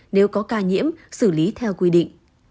nếu có ca nhiễm xử lý theo quy định